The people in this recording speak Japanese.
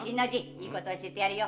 いいこと教えてやるよ。